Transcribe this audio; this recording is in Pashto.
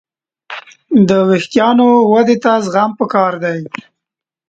د وېښتیانو ودې ته زغم پکار دی.